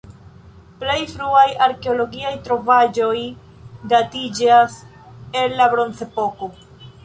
Plej fruaj arkeologiaj trovaĵoj datiĝas el la bronzepoko.